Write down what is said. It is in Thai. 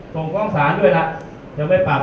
ส่งกองศาลด้วยละยังไม่ปรับหรอก